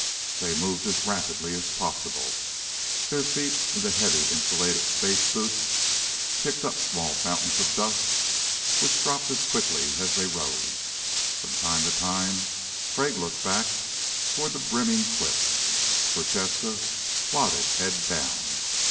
They moved as rapidly as possible. Their feet in the heavy insulated space boots kicked up small fountains of dust which dropped as quickly as they rose. From time to time Crag looked back toward the brimming cliffs. Prochaska plodded head down.